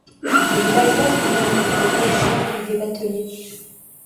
Les villageois sont avant tout des pêcheurs ou des bateliers.